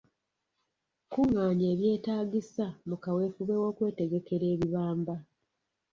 Kungaanya ebyetaagisa mu kaweefube w'okwetegekera ebibamba.